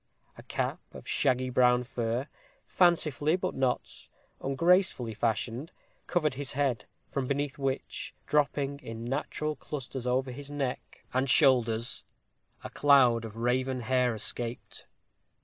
A cap of shaggy brown fur, fancifully, but not ungracefully fashioned, covered his head, from beneath which, dropping, in natural clusters over his neck and shoulders, a cloud of raven hair escaped.